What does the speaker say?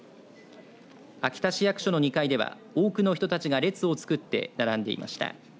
秋田市役所の２階では多くの人たちが列を作って並んでいました。